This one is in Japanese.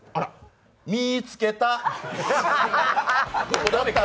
見ーつけた。